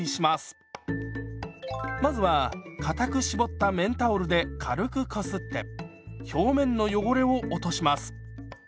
まずはかたく絞った綿タオルで軽くこすって表面の汚れを落とします。